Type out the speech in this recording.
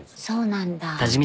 そうなんだ。